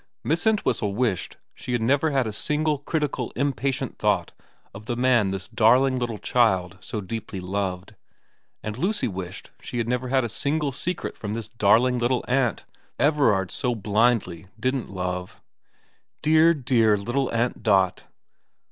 Miss Entwhistle wished she had never had a single critical impatient thought of the man this darling little child so deeply loved, and Lucy wished she had never had a single secret from this darling little aunt Everard so blindly didn't love. Dear, dear little Aunt Dot.